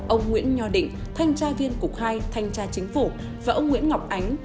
ông nguyễn nho định thanh tra viên cục hai thanh tra chính phủ và ông nguyễn ngọc ánh